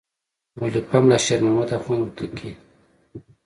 مؤلفه ملا شیر محمد اخوند هوتکی.